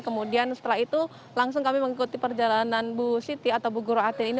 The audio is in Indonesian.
kemudian setelah itu langsung kami mengikuti perjalanan bu siti atau bu guru atin ini